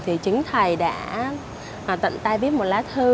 thì chính thầy đã tận tay biết một lá thư